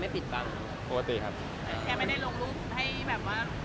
แต่ไม่ได้ลงรูปให้วิวกันอาจเป็นไง